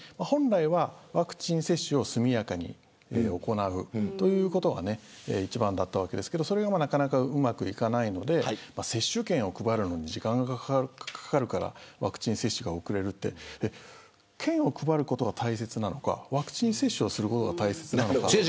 本来は、ワクチン接種を速やかに行うということがね一番だったわけですけどそれがなかなかうまくいかないので接種券を配るのに時間がかかるからワクチン接種が遅れるって券を配ることが大切なのかワクチン接種をすることが大切なのか。